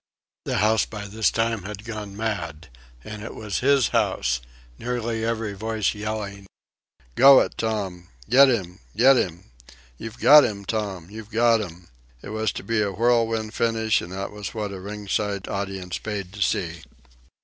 The house by this time had gone mad, and it was his house, nearly every voice yelling: "Go it, Tom!" "Get 'im! Get 'im!" "You've got 'im, Tom! You've got 'im!" It was to be a whirlwind finish, and that was what a ringside audience paid to see.